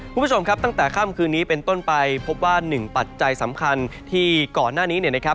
คุณผู้ชมครับตั้งแต่ค่ำคืนนี้เป็นต้นไปพบว่าหนึ่งปัจจัยสำคัญที่ก่อนหน้านี้เนี่ยนะครับ